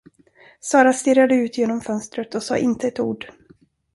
Sara stirrade ut genom fönstret och sade inte ett ord.